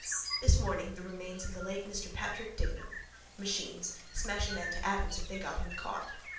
This morning the remains of the late Mr Patrick Dignam. Machines. Smash a man to atoms if they got him caught.